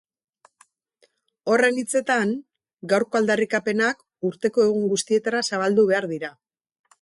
Horren hitzetan, gaurko aldarrikapenak urteko egun guztietara zabaldu behar dira.